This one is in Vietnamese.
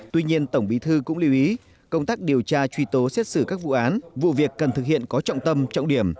tuy nhiên tổng bí thư cũng lưu ý công tác điều tra truy tố xét xử các vụ án vụ việc cần thực hiện có trọng tâm trọng điểm